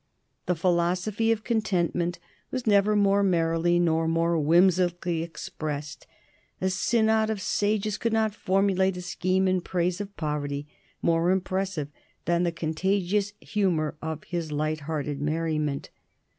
The philosophy of contentment was never more merrily nor more whimsically expressed. A synod of sages could not formulate a scheme in praise of poverty more impressive than the contagious humor of his light hearted merriment.